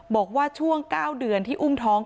บอกว่าช่วง๙เดือนที่อุ้มท้อง